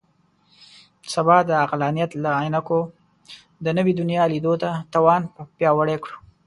سبا ته د عقلانیت له عینکو د نوي دنیا لیدو توان پیاوړی کړو.